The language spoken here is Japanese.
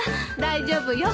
大丈夫よ。